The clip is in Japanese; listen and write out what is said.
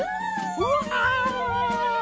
うわ！